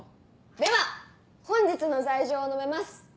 では本日の罪状を述べます。